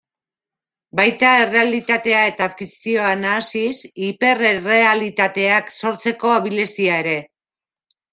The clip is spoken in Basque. Baita errealitatea eta fikzioa nahasiz, hiper-errealitateak sortzeko abilezia ere.